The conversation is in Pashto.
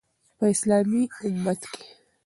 په اسلامي امت کې